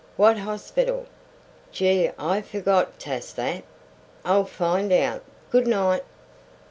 "What hospital?" "Gee, I forgot t'ast that!" "I'll find out. Good night."